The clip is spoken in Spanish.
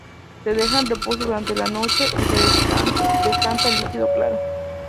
Se deja en reposo durante la noche y se decanta el líquido claro.